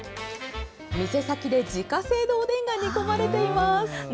店先で自家製のおでんが煮込まれています。